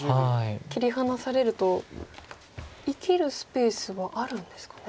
切り離されると生きるスペースはあるんですかね。